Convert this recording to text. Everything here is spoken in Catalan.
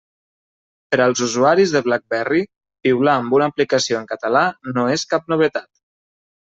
Per als usuaris de BlackBerry, piular amb una aplicació en català no és cap novetat.